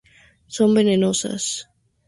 Son venenosas.